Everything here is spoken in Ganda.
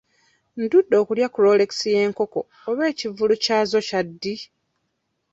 Ndudde okulya ku rolex y'enkoko oba ekivvulu kyazo kya ddi?